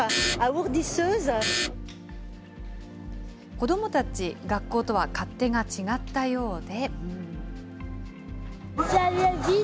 子どもたち、学校とは勝手が違ったようで。